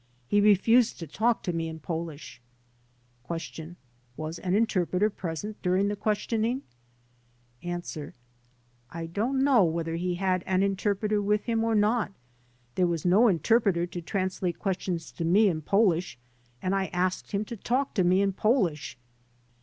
He refused to talk to me in Polish. Q. "Was an interpreter present during the questioning? A. "I don't know whether he had an interpreter with him or not. There was no interpreter to translate questions to me in Polish and I asked him to talk to me in Polish.